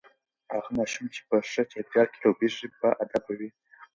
هغه ماشوم چې په ښه چاپیریال کې لوییږي باادبه وي.